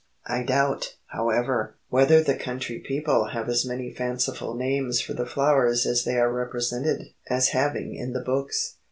I doubt, however, whether the country people have as many fanciful names for the flowers as they are represented as having in the books.